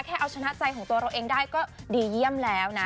เอาชนะใจของตัวเราเองได้ก็ดีเยี่ยมแล้วนะ